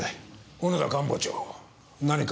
小野田官房長何か？